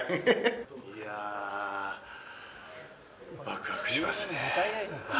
いや、ワクワクしますね。